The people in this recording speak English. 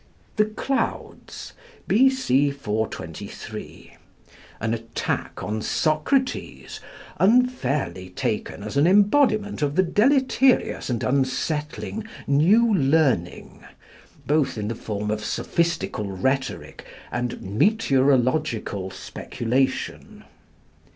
'The Clouds,' B.C. 423: an attack on Socrates, unfairly taken as an embodiment of the deleterious and unsettling "new learning," both in the form of Sophistical rhetoric and "meteorological" speculation.